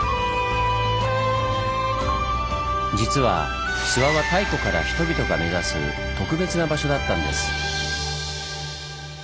実は諏訪は太古から人々が目指す特別な場所だったんです。